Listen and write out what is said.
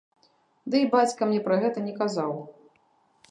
Ды і бацька мне пра гэта не казаў.